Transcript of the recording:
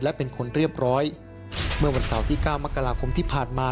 และเป็นคนเรียบร้อยเมื่อวันเสาร์ที่เก้ามกราคมที่ผ่านมา